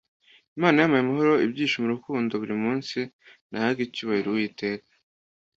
Imana yampaye amahoro, ibyishimo, urukundo, buri munsi nahaga icyubahiro uwiteka